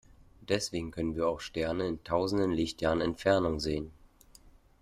Deswegen können wir auch Sterne in tausenden Lichtjahren Entfernung sehen.